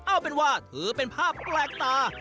เอาเป็นว่าถือเป็นภาพแปลกตา